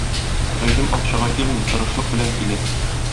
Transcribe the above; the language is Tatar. Гыйлем акчага килми, тырышлык белән килә.